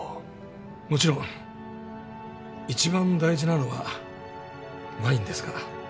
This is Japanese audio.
もちろん一番大事なのはワインですから。